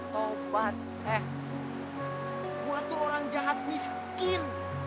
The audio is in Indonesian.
taubat eh gue tuh orang jahat miskin